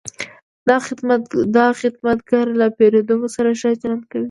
دا خدمتګر له پیرودونکو سره ښه چلند کوي.